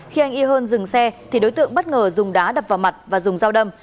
khi anh y hơn dừng xe thì đối tượng bất ngờ dùng đá đập vào mặt và dùng dao đâm